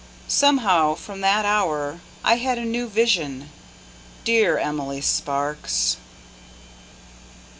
Somehow, from that hour, I had a new vision Dear Emily Sparks!